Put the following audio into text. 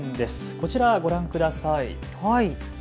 こちらをご覧ください。